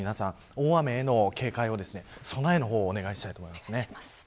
大雨への警戒を備えの方をお願いしたいと思います。